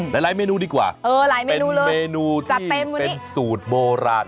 หลายเมนูดีกว่าเป็นเมนูที่เป็นสูตรโบราณ